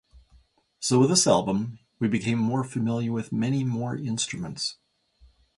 So with this album we became more familiar with many more instruments.